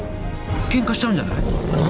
けんかしちゃうんじゃない？